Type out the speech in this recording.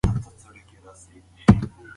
دی د خوب په عالم کې ډېر لرې تللی و.